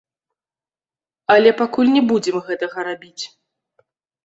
Але пакуль не будзем гэтага рабіць.